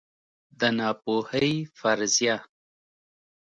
د ناپوهۍ فرضیه